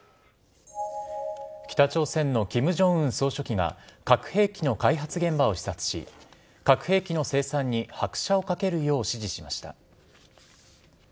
北朝鮮のキム・ジョンウン総書記が、核兵器の開発現場を視察し、核兵器の生産に拍車をかけるよう指示しました。